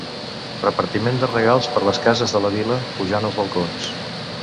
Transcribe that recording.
Repartiment de regals per les cases de la vila, pujant als balcons.